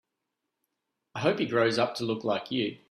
I hope he grows up to look like you.